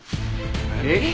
えっ？